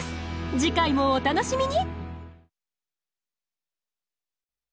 次回もお楽しみに！